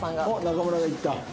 中村がいった。